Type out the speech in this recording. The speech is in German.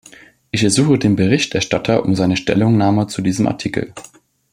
Ich ersuche den Berichterstatter um seine Stellungnahme zu diesem Artikel.